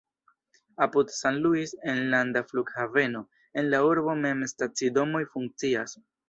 Apud San Luis enlanda flughaveno, en la urbo mem stacidomoj funkcias.